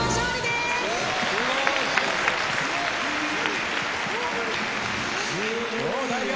すごいよ。